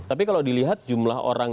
tapi kalau dilihat jumlah orang